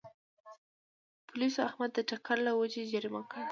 پولیسو احمد د ټکر له وجې جریمه کړ.